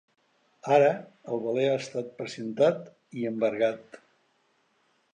Ara el veler ha estat precintat i embargat.